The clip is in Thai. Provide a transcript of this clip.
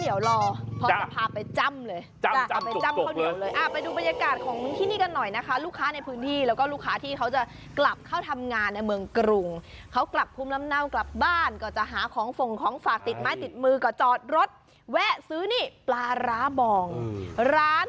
อย่างงี้เลย